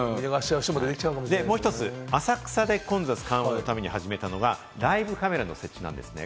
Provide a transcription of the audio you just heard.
浅草で混雑緩和のために始めたのがライブカメラの設置です。